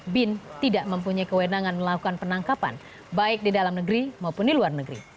bin tidak mempunyai kewenangan melakukan penangkapan baik di dalam negeri maupun di luar negeri